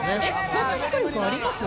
そんなに火力あります？